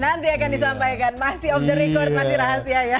nanti akan disampaikan masih off the record masih rahasia ya